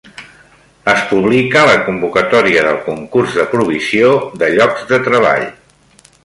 Es publica la convocatòria del concurs de provisió de llocs de treball.